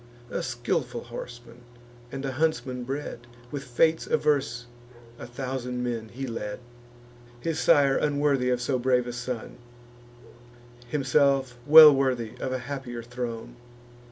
A skilful horseman, and a huntsman bred, With fates averse a thousand men he led: His sire unworthy of so brave a son; Himself well worthy of a happier throne.